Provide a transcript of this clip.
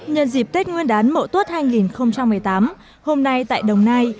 nhân dịp tết nguyên đán mộ tuốt hai nghìn một mươi tám hôm nay tại đồng nai